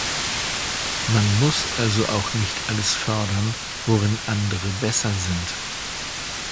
Man muss also auch nicht alles fördern, worin andere besser sind.